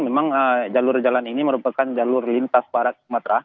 memang jalur jalan ini merupakan jalur lintas barat sumatera